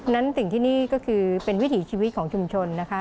นั้นสิ่งที่นี่ก็คือเป็นวิถีชีวิตของชุมชนนะคะ